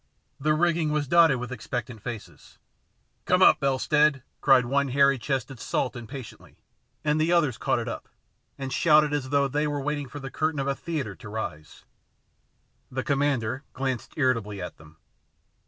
The rigging was dotted with expectant faces. " Come up, Elstead !" called one hairy chested salt impatiently, and the others caught it up, and shouted as though they were waiting for the curtain of a theatre to rise. The commander glanced irritably at them.